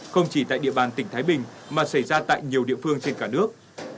không chỉ tại địa bàn tỉnh thái bình mà xảy ra tại nhiều địa phương trên cả nước